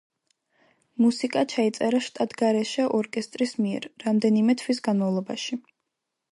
მუსიკა ჩაიწერა შტატგარეშე ორკესტრის მიერ, რამდენიმე თვის განმავლობაში.